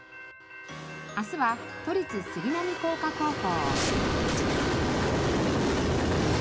明日は都立杉並工科高校。